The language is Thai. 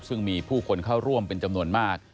ซึ่งมีผู้คนเข้าร่วมเป็นจำนวนมาก